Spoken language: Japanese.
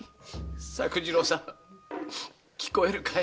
作次郎さん聞こえるかい？